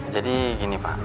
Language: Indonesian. jadi gini pak